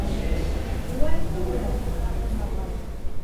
— Улай уҡ түгел дә, Япон ағай.